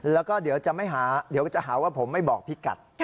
แล้วก็เดี๋ยวจะหาว่าผมไม่บอกพี่กัด